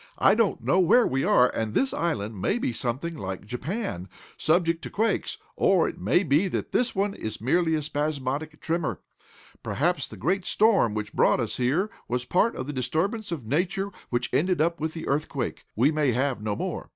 I don't know where we are, and this island may be something like Japan, subject to quakes, or it may be that this one is merely a spasmodic tremor. Perhaps the great storm which brought us here was part of the disturbance of nature which ended up with the earthquake. We may have no more."